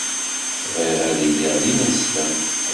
Bɣiɣ ad iliɣ d ineslem.